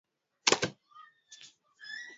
Ntulu inamwingiya mu richo